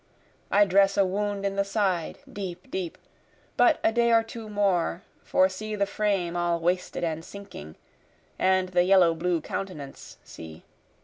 I dress a wound in the side, deep, deep, But a day or two more, for see the frame all wasted and sinking, And the yellow blue countenance see.